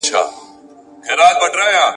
محتسب چي هره ورځ آزارولم !.